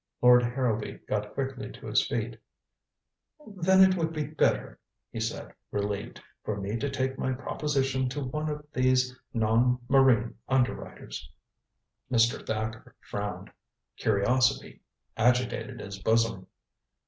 Lord Harrowby got quickly to his feet "Then it would be better," he said, relieved, "for me to take my proposition to one of these non marine underwriters." Mr. Thacker frowned. Curiosity agitated his bosom.